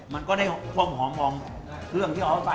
มันก็ได้ความหอมของเครื่องที่เอาเข้าไป